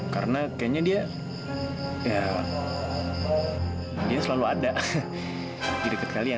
karena kayaknya dia ya dia selalu ada di deket kalian